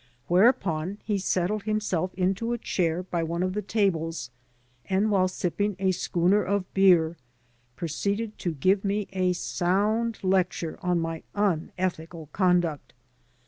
Whereupon he settled himself into a chair by one of the tables and, while sipping a schooner of beer, proceeded to give me a sound lecture on my unethical conduct.